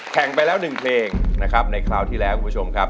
แข่งไปแล้ว๑เพลงนะครับในคราวที่แล้วคุณผู้ชมครับ